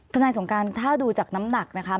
สงการถ้าดูจากน้ำหนักนะคะ